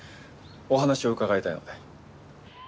お話を伺いたいので。